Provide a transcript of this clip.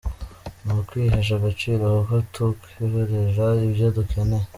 Ni ukwihesha agaciro kuko twikorera ibyo dukeneye.